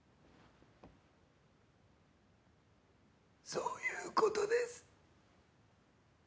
そういうことです